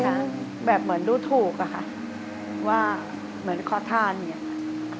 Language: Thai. เขาแบบเหมือนดูถูกอะค่ะว่าเหมือนคอทานเนี่ยค่ะ